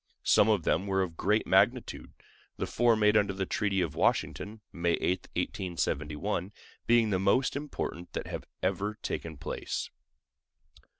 Some of them were of great magnitude, the four made under the treaty of Washington (May 8, 1871) being the most important that have ever taken place.